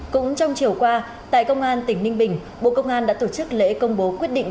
cũng trong chiều qua tại công an tỉnh ninh bình bộ công an đã tổ chức lễ công bố quyết định